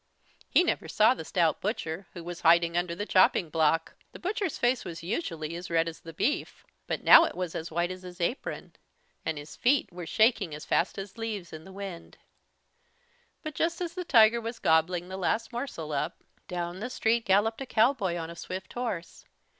He never saw the stout butcher, who was hiding under the chopping block. The butcher's face was usually as red as the beef, but now it was as white as his apron, and his feet were shaking as fast as leaves in the wind. But just as the tiger was gobbling the last morsel up, down the street galloped a cowboy on a swift horse.